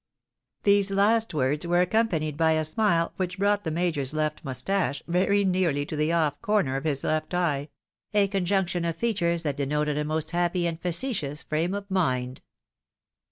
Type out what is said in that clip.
These last words were accompanied by a smile which brought the Major's left mustache very nearly to the off corner of his left eye ; a conjunction of features that denoted a most happy and facetious frame of mind.